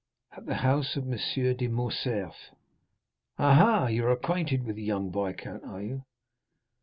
"At the house of M. de Morcerf." "Ah! you are acquainted with the young viscount, are you?"